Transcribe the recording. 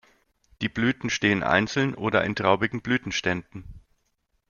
Die Blüten stehen einzeln oder in traubigen Blütenständen.